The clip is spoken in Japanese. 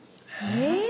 え？